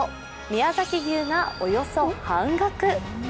宮崎牛がおよそ半額。